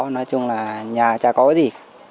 nói chung là nhà chả có gì